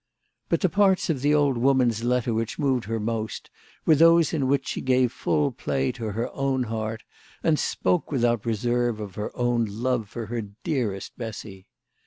But the parts of the old woman's letter which moved her most were those in which she gave full play to her own heart, and spoke, without reserve, of her own love for her dearest Bessy.